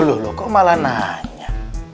loh kok malah nanya